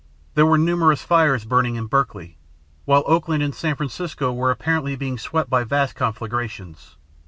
There were numerous fires burning in Berkeley, while Oakland and San Francisco were apparently being swept by vast conflagrations.